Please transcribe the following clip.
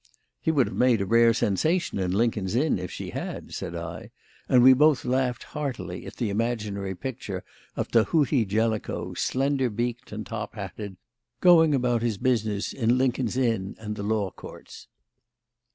"He would have made a rare sensation in Lincoln's Inn if she had," said I; and we both laughed heartily at the imaginary picture of Tahuti Jellicoe, slender beaked and top hatted, going about his business in Lincoln's Inn and the Law Courts.